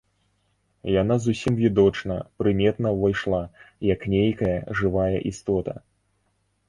Яна зусім відочна, прыметна ўвайшла, як нейкая жывая істота.